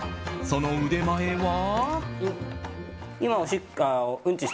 その腕前は。